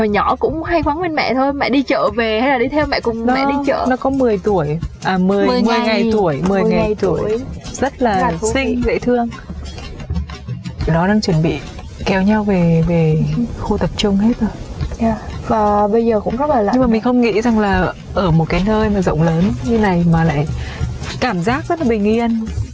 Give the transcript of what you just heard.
nhưng mà mình không nghĩ rằng là ở một cái hơi mà rộng lớn như này mà lại cảm giác rất là bình yên